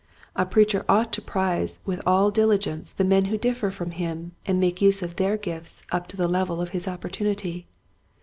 A preacher ought to prize with all diligence the men who differ from him and make use of their gifts up to the level of his opportunity.